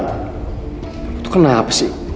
itu kenapa sih